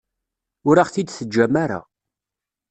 Ur aɣ-t-id-teǧǧam ara.